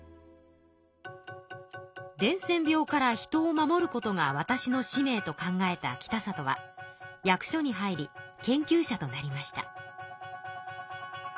「伝染病から人を守ることがわたしの使命」と考えた北里は役所に入り研究者となりました。